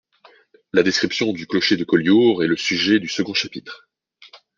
La description du clocher de Collioure est le sujet du second chapitre.